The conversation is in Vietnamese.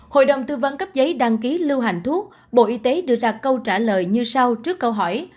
hội đồng tư vấn cấp giấy đăng ký lưu hành thuốc bộ y tế đưa ra câu trả lời như sau trước câu hỏi